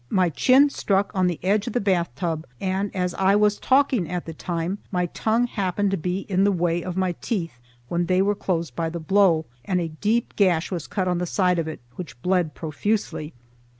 My chin struck on the edge of the bath tub, and, as I was talking at the time, my tongue happened to be in the way of my teeth when they were closed by the blow, and a deep gash was cut on the side of it, which bled profusely.